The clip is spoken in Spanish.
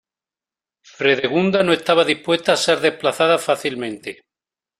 Fredegunda no estaba dispuesta a ser desplazada fácilmente.